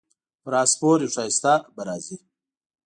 پر اس سپور یو ښایسته به راځي